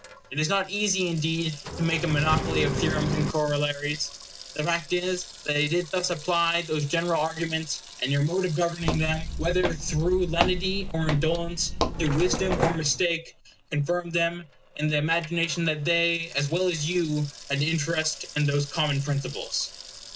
It is not easy, indeed, to make a monopoly of theorems and corollaries. The fact is, that they did thus apply those general arguments; and your mode of governing them, whether through lenity or indolence, through wisdom or mistake, confirmed them in the imagination that they, as well as you, had an interest in these common principles.